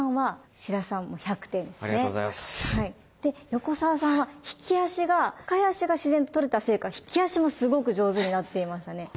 横澤さんは引き足が抱え足が自然ととれたせいか引き足もすごく上手になっていましたね。